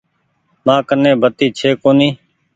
مآن ڪني بتي ڇي ڪونيٚ۔